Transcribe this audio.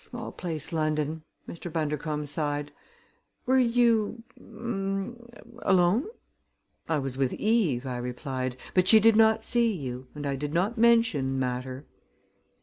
"Small place, London!" Mr. Bundercombe sighed. "Were you er alone?" "I was with Eve," I replied; "but she did not see you and I did not mention the matter."